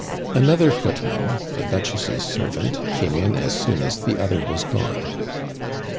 Another footman, the Duchess' servant, came in as soon as the other was gone.